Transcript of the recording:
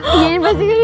dukenya pasti gede